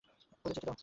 ওদের যেতে দাও।